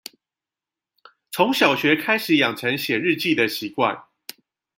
從小學開始養成寫日記的習慣